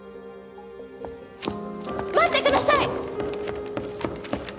待ってください！